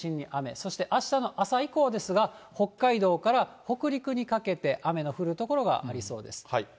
そしてあしたの朝以降ですが、北海道から北陸にかけて雨の降る所がありそうです。